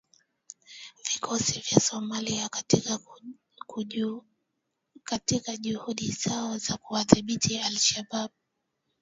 vikosi vya Somalia katika juhudi zao za kuwadhibiti al Shabaab